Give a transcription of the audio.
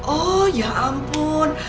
oh ya ampun